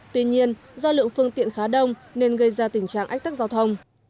tuy nhiên do lượng phương tiện khá đông nên gây ra tình trạng ách tắc giao thông